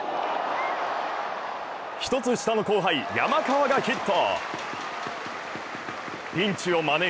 一つ下の後輩・山川がヒット。